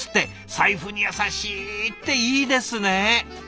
財布に優しいっていいですね！